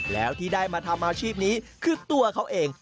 แล้วที่ได้มาทำอาชีพนี้คือตัวเขาเอง